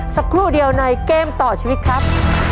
สักครู่เดียวในเกมต่อชีวิตครับ